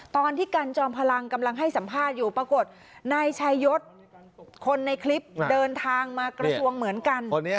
ตอนที่กันจอมพลังกำลังให้สัมภาษณ์อยู่ปรากฏนายชายศคนในคลิปเดินทางมากระทรวงเหมือนกัน